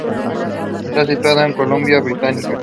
Está situado en la Columbia Británica.